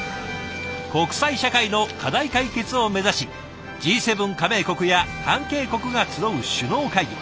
国際社会の課題解決を目指しＧ７加盟国や関係国が集う首脳会議。